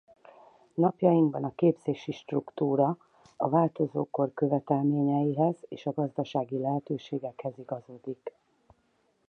Napjainkban a képzési struktúra a változó kor követelményeihez és a gazdasági lehetőségekhez igazodik.